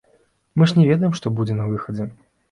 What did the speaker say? Мы ж не ведаем, што будзе на выхадзе.